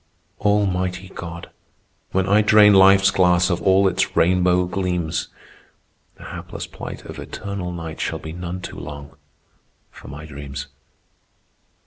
Almighty God, when I drain life's glass Of all its rainbow gleams, The hapless plight of eternal night Shall be none too long for my dreams.